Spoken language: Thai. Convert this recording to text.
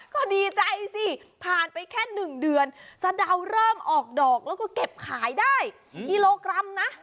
ก็ดีใจสิผ่านไปแค่๑เดือนสะดาวเริ่มออกดอกแล้วก็เก็บขายได้กิโลกรัมนะ